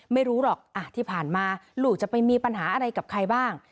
ไม่รู้หรอกที่ผ่านมาลูกจะไปมีปัญหาอะไรกับใครบ้าง